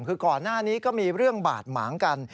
คือก่อนหน้านี้ก็มีเรื่องบาดหมางกัน